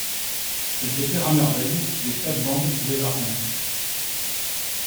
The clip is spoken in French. Elles éclairent à merveille les plates-bandes des jardins.